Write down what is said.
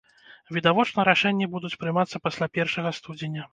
Відавочна рашэнні будуць прымацца пасля першага студзеня.